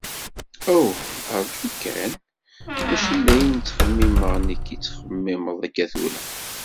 Aw, rju kan! Mačči d ayen ttxemmimeɣ nekk i tettxemmimeḍ akka tura?